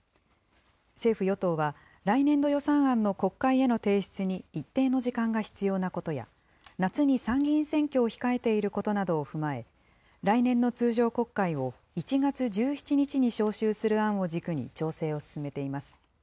政府・与党は、来年度予算案の国会への提出に一定の時間が必要なことや、夏に参議院選挙を控えていることなどを踏まえ、来年の通常国会を１月１７日に召集する案を軸に調整を進めています。